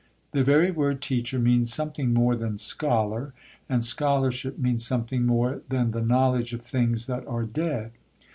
The very word "teacher" means something more than "scholar"; and scholarship means something more than the knowledge of things that are dead.